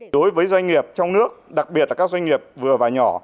đối với doanh nghiệp trong nước đặc biệt là các doanh nghiệp vừa và nhỏ